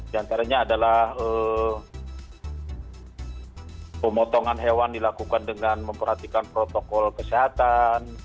di antaranya adalah pemotongan hewan dilakukan dengan memperhatikan protokol kesehatan